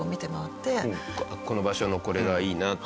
この場所のこれがいいなって。